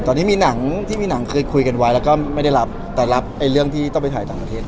ตอนนี้มีหนังที่มีหนังเคยคุยกันไว้แล้วก็ไม่ได้รับแต่รับเรื่องที่ต้องไปถ่ายต่างประเทศ